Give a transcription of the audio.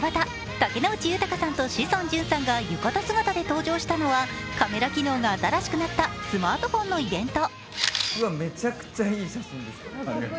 竹野内豊さんと志尊淳さんが浴衣姿で登場したのはカメラ機能が新しくなったスマートフォンのイベント。